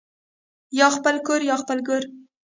یا خپل کور یا خپل ګور